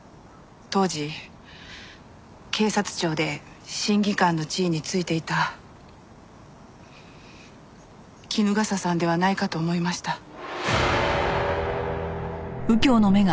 当時警察庁で審議官の地位に就いていた衣笠さんではないかと思いました。